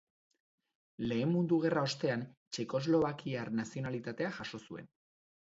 Lehen Mundu Gerra ostean txekoslovakiar nazionalitatea jaso zuen.